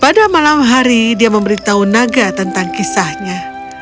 pada malam hari dia memberi tahu naga tentang kisahnya